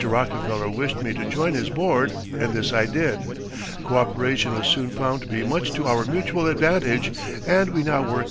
Rockefeller wished me to join his board and this I did. Coöperation was soon found to be much to our mutual advantage, and we now work in unison.